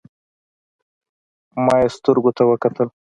ما يې سترګو ته وکتل.